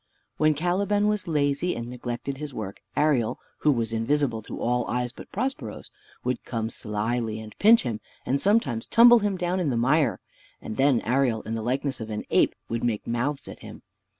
When Caliban was lazy and neglected his work, Ariel (who was invisible to all eyes but Prospero's) would come slily and pinch him, and sometimes tumble him down in the mire; and then Ariel, in the likeness of an ape, would make mouths at him.